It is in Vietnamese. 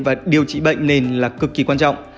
và điều trị bệnh nền là cực kỳ quan trọng